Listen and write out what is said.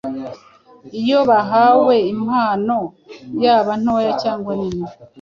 iyo bahawe impano, yaba ntoya cyangwa nini,